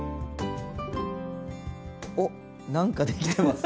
おっ何か出来てます。